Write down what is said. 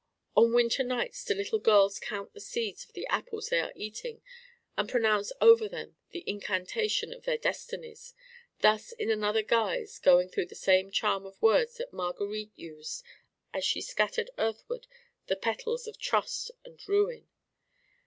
On winter nights do little girls count the seeds of the apples they are eating and pronounce over them the incantation of their destinies thus in another guise going through the same charm of words that Marguerite used as she scattered earthward the petals of trust and ruin?